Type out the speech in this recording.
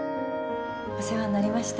お世話になりました。